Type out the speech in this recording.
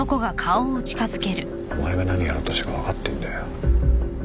お前が何やろうとしてるか分かってんだよ。